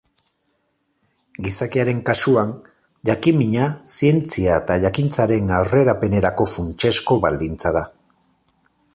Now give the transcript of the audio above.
Gizakiaren kasuan, jakin-mina zientzia eta jakintzaren aurrerapenerako funtsezko baldintza da.